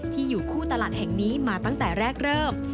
อยู่คู่ตลาดแห่งนี้มาตั้งแต่แรกเริ่ม